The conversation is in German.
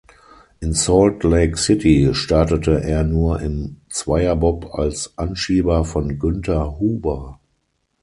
In Salt Lake City startete er nur im Zweierbob als Anschieber von Günther Huber.